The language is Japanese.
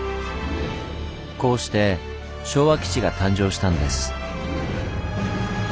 こうして昭和基地が誕生したんです。